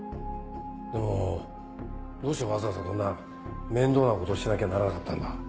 でもどうしてわざわざこんな面倒なことしなきゃならなかったんだ？